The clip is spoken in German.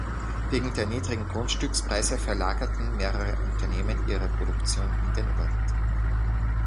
Wegen der niedrigen Grundstückspreise verlagerten mehrere Unternehmen ihre Produktion in den Ort.